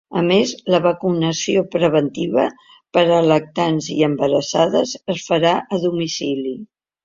A més, la vacunació preventiva per a lactants i embarassades es farà a domicili.